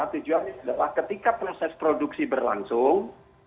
tujuannya adalah ketika proses produksi berlangsung